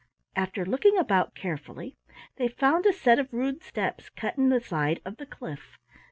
After looking about carefully, they found a set of rude steps cut in the side of the cliff.